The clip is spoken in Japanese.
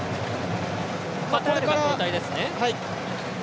カタール、交代ですね。